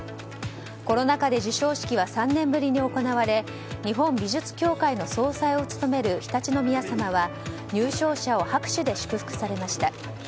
コロナ禍で授賞式は３年ぶりに行われ日本美術協会の総裁を務める常陸宮さまは入賞者を拍手で祝福されました。